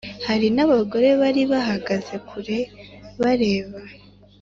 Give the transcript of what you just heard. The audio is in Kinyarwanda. Hari n abagore bari bahagaze kure bareba